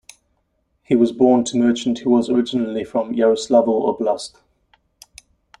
He was born to merchant who was originally from Yaroslavl Oblast.